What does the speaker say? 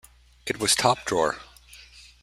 It was top drawer.